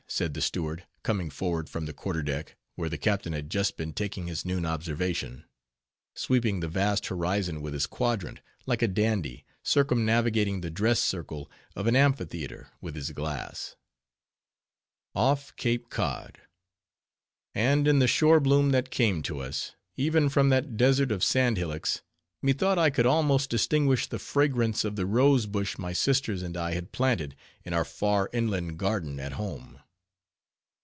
said the steward, coming forward from the quarter deck, where the captain had just been taking his noon observation; sweeping the vast horizon with his quadrant, like a dandy circumnavigating the dress circle of an amphitheater with his glass. Off Cape Cod! and in the shore bloom that came to us— even from that desert of sand hillocks—methought I could almost distinguish the fragrance of the rose bush my sisters and I had planted, in our far inland garden at home.